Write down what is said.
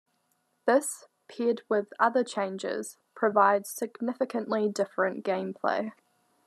This, paired with other changes, provides significantly different gameplay.